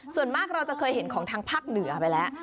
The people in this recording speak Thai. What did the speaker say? ส่วนมากเราจะเคยเห็นของทางภาคเหนือไปแล้ว